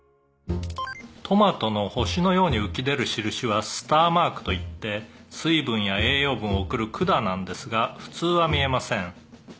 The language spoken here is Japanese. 「トマトの星のように浮き出る印はスターマークといって水分や栄養分を送る管なんですが普通は見えません」